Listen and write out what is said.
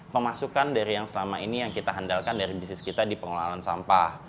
pemasukan dari yang selama ini yang kita handalkan dari bisnis kita di pengelolaan sampah